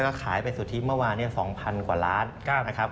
ก็ขายไปสุทธิเมื่อวาน๒๐๐กว่าล้านนะครับ